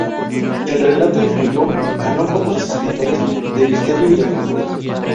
El relato influyó a no pocos escritores de misterio y aventuras.